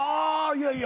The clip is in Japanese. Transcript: いやいや。